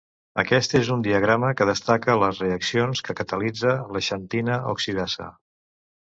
Aquest és un diagrama que destaca les reaccions que catalitza la xantina oxidasa.